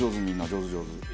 上手上手。